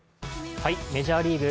メジャーリーグ。